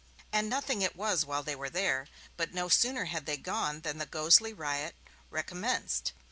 And nothing it was while they were there, but no sooner had they gone than the ghostly riot recommenced.